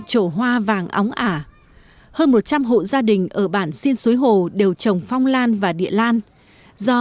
trổ hoa vàng óng ả hơn một trăm linh hộ gia đình ở bản xin suối hồ đều trồng phong lan và địa lan do